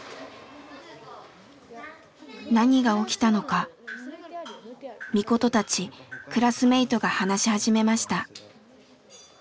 何が起きたのかみことたちクラスメートが話し始めました。